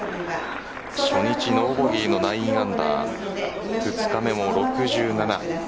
初日ノーボギーの９アンダー２日目も６７。